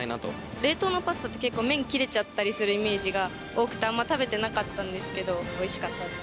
冷凍のパスタって結構麺切れちゃったりするイメージが多くてあんま食べてなかったんですけど。